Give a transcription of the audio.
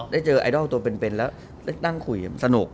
ได้เจอไอดอลตัวเป็นแล้วได้นั่งคุยสนุก